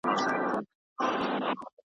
لمر له ښاره کوچېدلی .